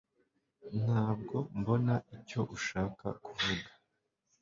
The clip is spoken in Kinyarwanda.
ntabwo mbona icyo ushaka kuvuga